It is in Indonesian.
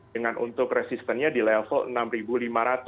dengan untuk resistancenya di level enam ribu lima ratus